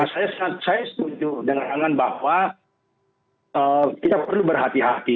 saya setuju dengan angan bahwa kita perlu berhati hati